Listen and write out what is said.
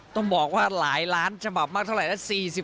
ต้องบอกว่าหลายล้านฉบับมากเท่าไหร่นะ